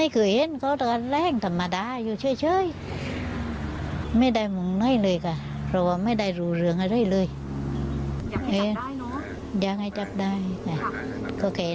ขอโทษคุณยายคุณยายขอบคุณสิงหาคมด้วยค่ะ